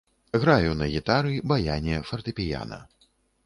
Граю на гітары, баяне, фартэпіяна.